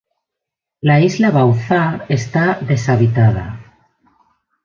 La isla Bauzá está deshabitada.